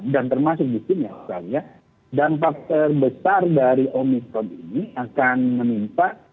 dan termasuk di sini dan faktor besar dari omikron ini akan menimpa